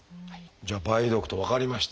じゃあ梅毒と分かりました。